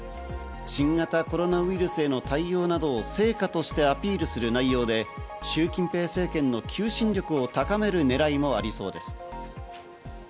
新型コロナウイルスへの対応などを成果としてアピールする内容で、シュウ・キンペイ政権の求心力を高める狙いもありそうです。